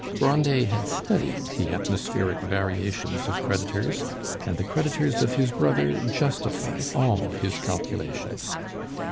Grandet had studied the atmospheric variations of creditors, and the creditors of his brother justified all his calculations.